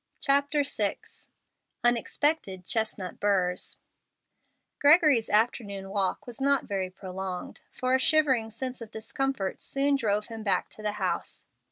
CHAPTER VI UNEXPECTED CHESTNUT BURRS Gregory's afternoon walk was not very prolonged, for a shivering sense of discomfort soon drove him back to the house.